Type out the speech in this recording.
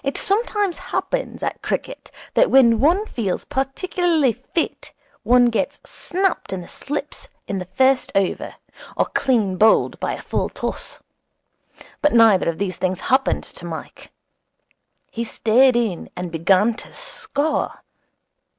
It sometimes happens at cricket that when one feels particularly fit one gets snapped in the slips in the first over, or clean bowled by a full toss; but neither of these things happened to Mike. He stayed in, and began to score.